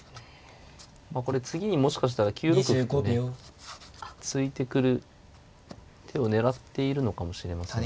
次にもしかしたら９六歩とね突いてくる手を狙っているのかもしれません。